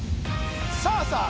さあさあ